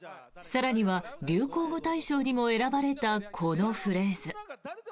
更には流行語大賞にも選ばれたこのフレーズ。